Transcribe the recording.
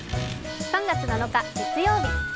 ３月７日月曜日